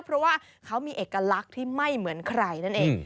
เพราะว่าเขามีเอกลักษณ์ที่ไม่เหมือนใครนั่นเอง